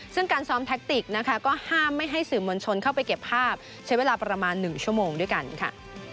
ซึ่งการซ้อมแท็กติกนะคะก็ห้ามไม่ให้สื่อมวลชนเข้าไปเก็บภาพใช้เวลาประมาณ๑ชั่วโมงด้วยกันค่ะ